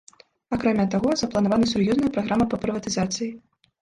Акрамя таго, запланавана сур'ёзная праграма па прыватызацыі.